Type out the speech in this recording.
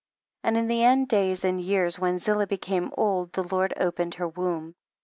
23. And in the end of days and years, when Ziilah became old, the Lord *opened her womb. 24.